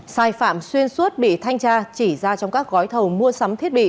sai phạm xuyên suốt bị thanh tra chỉ ra trong các gói thầu mua sắm thiết bị